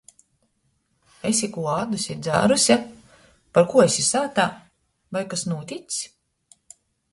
Esi kū āduse i dzāruse? Parkū esi sātā? Voi kas nūtics?